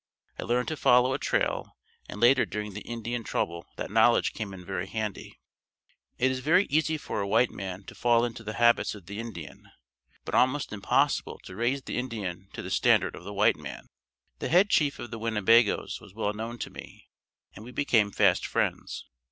I learned to follow a trail and later during the Indian trouble that knowledge came in very handy. It is very easy for a white man to fall into the habits of the Indian, but almost impossible to raise the Indian to the standard of the white man. The head chief of the Winnebagoes was well known to me, and we became fast friends.